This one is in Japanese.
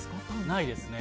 ないですね。